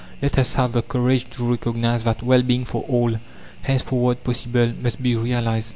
Let us have the courage to recognise that Well being for all, henceforward possible, must be realized.